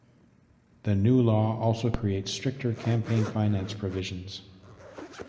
The new law also created stricter campaign finance provisions.